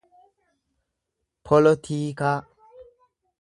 polotiikaa